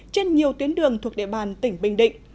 trên nhiều tuyến đường thuộc địa bàn tỉnh bình định